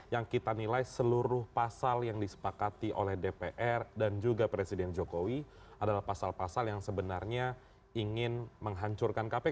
yang kita nilai seluruh pasal yang disepakati oleh dpr dan juga presiden jokowi adalah pasal pasal yang sebenarnya ingin menghancurkan kpk